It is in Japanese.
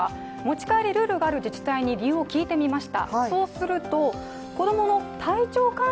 ルールのある自治体に理由を聞いてみました。